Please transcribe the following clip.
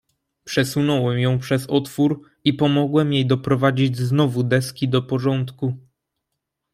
"Przesunąłem ją przez otwór, i pomogłem jej doprowadzić znowu deski do porządku."